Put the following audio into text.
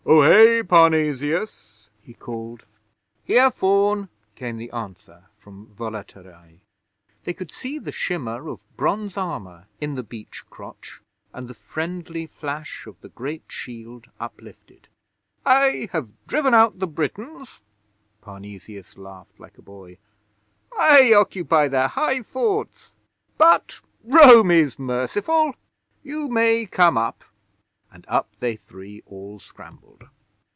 Ohé, Parnesius!' he called. 'Here, Faun!' came the answer from Volaterrae. They could see the shimmer of bronze armour in the beech crotch, and the friendly flash of the great shield uplifted. 'I have driven out the Britons.' Parnesius laughed like a boy. 'I occupy their high forts. But Rome is merciful! You may come up.' And up they three all scrambled.